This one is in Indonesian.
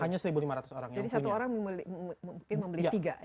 jadi satu orang mungkin membeli tiga ya